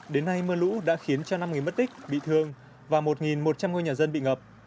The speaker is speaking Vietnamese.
đến nay mưa lũ đã khiến cho năm người mất tích bị thương và một một trăm linh ngôi nhà dân bị ngập